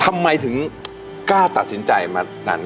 ทำไมถึงกล้าตัดสินใจมานั้น